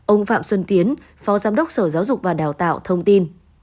ông phạm xuân tiến phó giám đốc sở giáo dục và đào tạo thông tin